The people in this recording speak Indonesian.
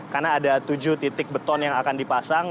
karena ada tujuh titik beton yang akan dipasang